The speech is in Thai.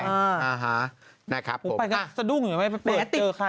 อ่าฮะนะครับผมไปกันจะดุ่งหรือเปล่าไปเปิดเจอใคร